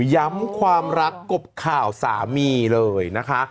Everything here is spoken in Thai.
ความรักกบข่าวสามีเลยนะคะ